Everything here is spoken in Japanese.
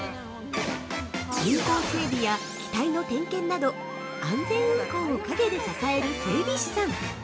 ◆運航整備や機体の点検など安全運航を陰で支える整備士さん。